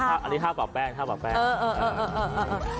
อันนี้ถ้าปรับแป้งถ้าปรับแป้ง